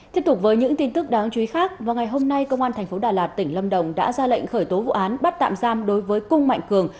tiếp tục với những tin tức đáng chú ý khác vào ngày hôm nay công an tp đà lạt tỉnh lâm đồng đã ra lệnh khởi tố vụ án bắt tạm giam đối với cung mạnh cường